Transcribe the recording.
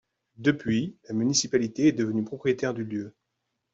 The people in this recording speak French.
Depuis, la municipalité est devenue propriétaire du lieu.